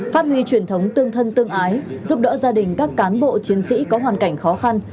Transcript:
phát huy truyền thống tương thân tương ái giúp đỡ gia đình các cán bộ chiến sĩ có hoàn cảnh khó khăn